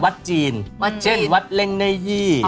วัดจีนเช่นวัดเล่งเนยี่